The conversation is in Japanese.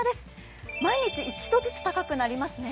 毎日１度ずつ高くなりますね。